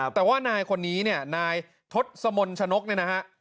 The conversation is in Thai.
แต่ว่านายคนนี้เนี่ยนายทศมนต์ชนกเนี่ยนะฮะ